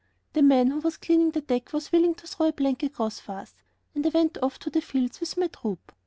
The man who was cleaning the deck was willing to throw the plank across for us, and I went off into the fields with my troop.